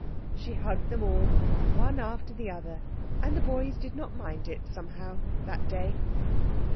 She hugged them all, one after the other. And the boys did not mind it, somehow, that day.